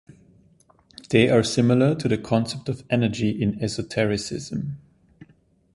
They are similar to the concept of energy in esotericism.